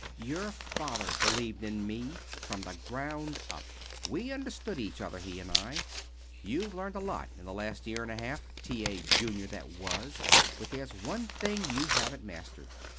Dad and I both believe in you'"] "Your father believed in me from the ground up. We understood each other, he and I. You've learned a lot in the last year and a half, T. A. Junior that was, but there's one thing you haven't mastered.